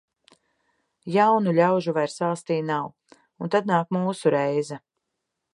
Jaunu ļaužu vairs valstī nav, un tad nāk mūsu reize.